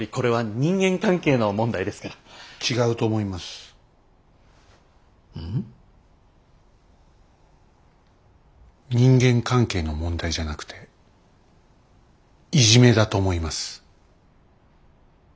人間関係の問題じゃなくていじめだと思います。